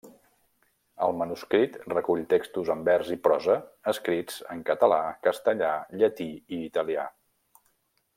El manuscrit recull textos en vers i prosa escrits en català, castellà, llatí i italià.